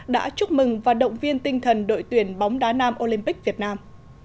đã chúc mừng và động viên tinh thần đội tuyển bóng đá nam olympic việt nam